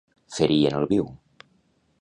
Ferir en el viu.